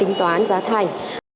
tính toán giá thành